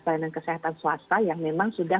pelayanan kesehatan swasta yang memang sudah